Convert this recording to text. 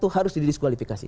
satu harus didiskualifikasi